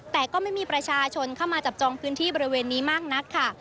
แต่ก็ไม่มีประชาชนเข้ามาจับจองพื้นที่บริเวณนี้มากนักค่ะ